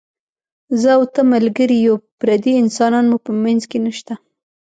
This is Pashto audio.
زه او ته ملګري یو، پردي انسانان مو په منځ کې نشته.